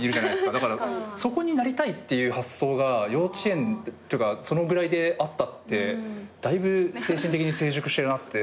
だからそこになりたいっていう発想が幼稚園というかそのぐらいであったってだいぶ精神的に成熟してるなって。